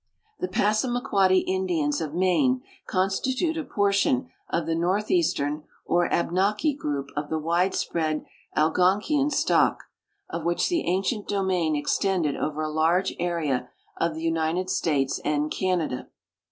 The Passamaquoddy Indians of Maine constitute a portion of the northeastern or Abnaki group of the widespread Algonkinian stock, of which the ancient domain extended over a large area of the United States and Canada.